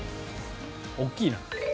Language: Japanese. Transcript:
大きいな。